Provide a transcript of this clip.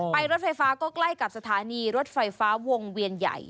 รถไฟฟ้าก็ใกล้กับสถานีรถไฟฟ้าวงเวียนใหญ่